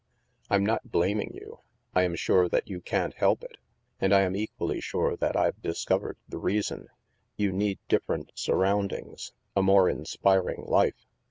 " I'm not blaming you. I am sure that you can't help it. And I am equally sure that Tve discovered the reason. You need different surroundings, a more inspiring life."